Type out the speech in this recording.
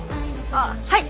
あっはい。